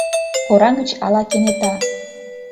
Кораҥыч ала кенета...